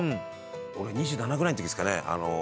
俺２７ぐらいのときっすかね。